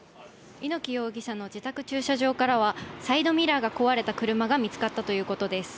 猪木容疑者の自宅駐車場からは、サイドミラーが壊れた車が見つかったということです。